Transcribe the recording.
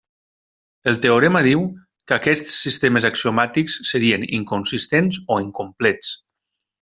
El teorema diu que aquests sistemes axiomàtics serien inconsistents o incomplets.